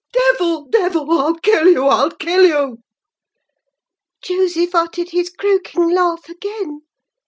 'Devil! devil!—I'll kill you—I'll kill you!' "Joseph uttered his croaking laugh again.